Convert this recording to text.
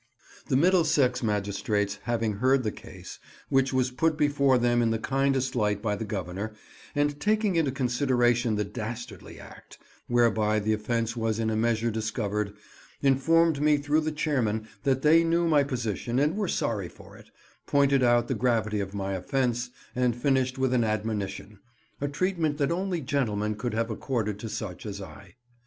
The Middlesex magistrates having heard the case, which was put before them in the kindest light by the Governor, and taking into consideration the dastardly act, whereby the offence was in a measure discovered, informed me through the chairman that they knew my position and were sorry for it, pointed out the gravity of my offence, and finished with an admonition—a treatment that only gentlemen could have accorded to such as I.